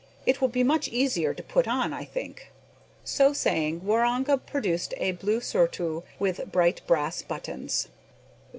It will be much easier to put on, I think." So saying, Waroonga produced a blue surtout with bright brass buttons.